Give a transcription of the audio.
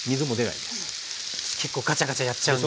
結構ガチャガチャやっちゃうんで。